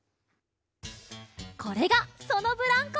これがそのブランコ！